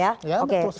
ya betul sekali